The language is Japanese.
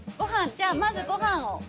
じゃあまずご飯を。